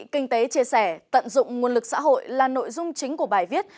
kinh tế chia sẻ tận dụng nguồn lực xã hội là nội dung chính của bài viết